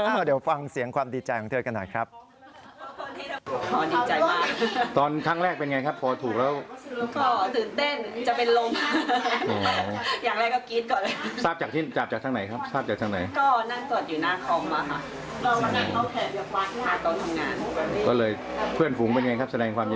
อ้าวเดี๋ยวฟังเสียงความดีใจของเธอได้ก่อนนะครับ